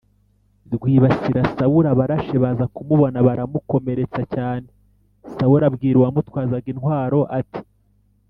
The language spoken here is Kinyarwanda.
Rwibasira sawuli abarashi baza kumubona baramukomeretsa cyane sawuli abwira uwamutwazaga intwaro ati